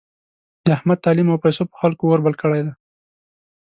د احمد تعلیم او پیسو په خلکو اور بل کړی دی.